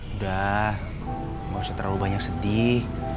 udah gak usah terlalu banyak sedih